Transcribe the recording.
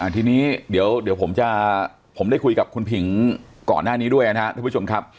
ทีนี้เดี๋ยวผมจะผมได้คุยกับคุณผิงก่อนหน้านี้ด้วยนะครับท่านผู้ชมครับ